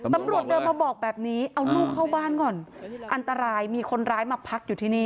ตำรวจเดินมาบอกแบบนี้เอาลูกเข้าบ้านก่อนอันตรายมีคนร้ายมาพักอยู่ที่นี่